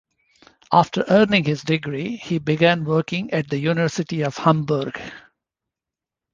After earning his degree, he began working at the University of Hamburg.